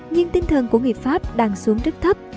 nhưng tinh thần của người pháp đang xuống rất thấp